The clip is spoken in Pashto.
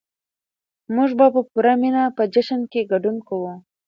موږ به په پوره مينه په جشن کې ګډون کوو.